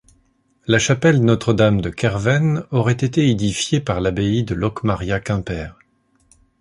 La chapelle Notre-Dame de Kerven aurait été édifiée par l’abbaye de Locmaria-Quimper.